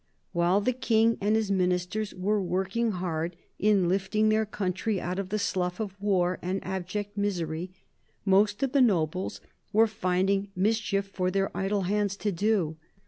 While the King and his ministers were working hard in lifting their country out of the slough of war and abject misery, most of the nobles were finding mischief for their idle hands to do.